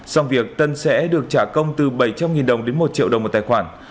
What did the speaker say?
xong việc tân sẽ được trả công từ bảy trăm linh đồng đến một triệu đồng một tài khoản